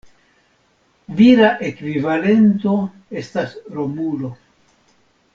Vira ekvivalento estas Romulo.